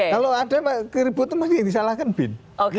kalau ada yang teribu teman ini disalahkan bin